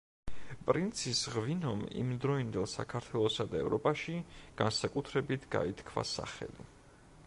პრინცის ღვინომ იმდროინდელ საქართველოსა და ევროპაში განსაკუთრებით გაითქვა სახელი.